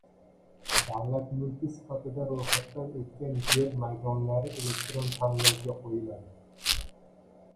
Davlat mulki sifatida ro‘yxatdan o‘tgan yer maydonlari elektron tanlovga qo‘yiladi